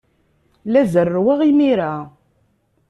La zerrweɣ imir-a.